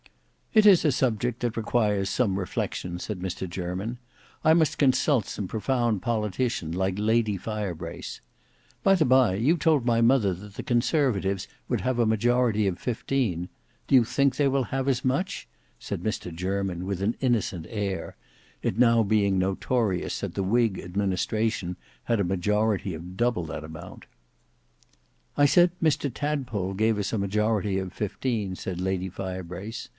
"It is a subject that requires some reflection," said Mr Jermyn. "I must consult some profound politician like Lady Firebrace. By the bye, you told my mother that the conservatives would have a majority of fifteen. Do you think they will have as much?" said Mr Jermyn with an innocent air, it now being notorious that the whig administration had a majority of double that amount. "I said Mr Tadpole gave us a majority of fifteen," said Lady Firebrace.